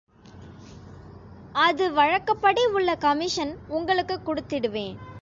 அது வழக்கப்படி உள்ள கமிஷன் உங்களுக்குக் குடுத்திடுவேன்.